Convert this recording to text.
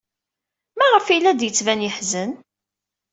Maɣef ay la d-yettban yeḥzen?